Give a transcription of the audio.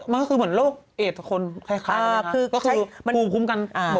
มันก็คือเหมือนโรคเอธคนคล้ายเลยนะคือคูมกลุ่มกันบกพร้อม